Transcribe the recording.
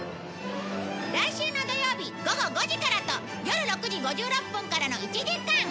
来週の土曜日午後５時からとよる６時５６分からの１時間！